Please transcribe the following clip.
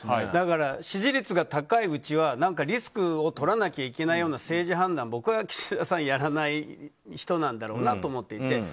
だから、支持率が高いうちはリスクを取らなきゃいけないような政治判断は僕は、岸田さんはやらない人なんだろうなと思っていて。